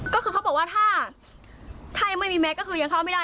ก็คือเขาบอกว่าถ้ายังไม่มีแม็กก็คือยังเข้าไม่ได้